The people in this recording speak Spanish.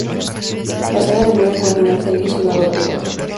La saga termina con final feliz y una doble boda.